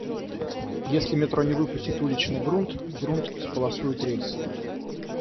Если метро не выпустит уличный грунт — грунт исполосуют рельсы.